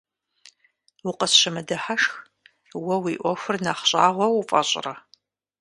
Укъысщымыдыхьашх, уэ уи ӏуэхур нэхъ щӏагъуэ уфӏэщӏрэ?